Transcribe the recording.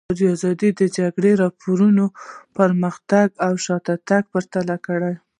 ازادي راډیو د د جګړې راپورونه پرمختګ او شاتګ پرتله کړی.